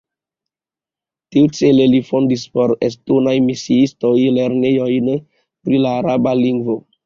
Tiucele li fondis por estontaj misiistoj lernejojn pri la araba lingvo.